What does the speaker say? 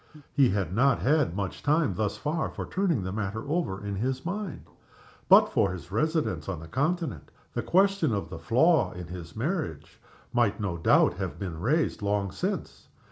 He had not had much time thus far for turning the matter over in his mind. But for his residence on the Continent the question of the flaw in his marriage might no doubt have been raised long since.